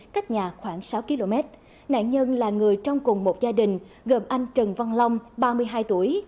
cách nhà khoảng sáu km nạn nhân là người trong cùng một gia đình gồm anh trần văn long ba mươi hai tuổi